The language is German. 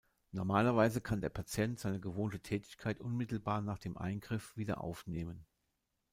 Normalerweise kann der Patient seine gewohnte Tätigkeit unmittelbar nach dem Eingriff wieder aufnehmen.